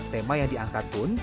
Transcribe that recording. tema yang diangkat pun